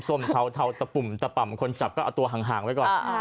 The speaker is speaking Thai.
ส้มเทาตะปุ่มตะป่ำคนจับก็เอาตัวห่างไว้ก่อน